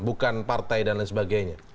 bukan partai dan lain sebagainya